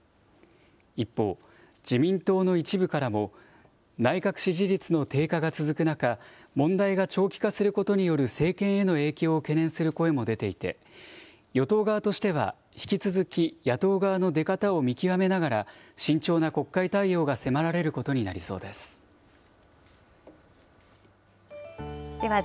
一方、自民党の一部からも、内閣支持率の低下が続く中、問題が長期化することによる政権への影響を懸念する声も出ていて、与党側としては、引き続き野党側の出方を見極めながら、慎重な国会対応が迫られることになりそうです。